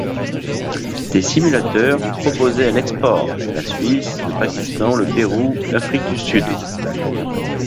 Des simulateurs proposés à l’export, la Suisse, le Pakistan, le Pérou, l’Afrique du Sud.